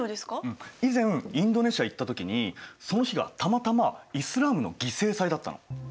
うん以前インドネシア行った時にその日がたまたまイスラームの犠牲祭だったの。